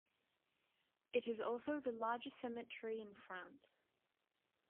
It is also the largest cemetery in France.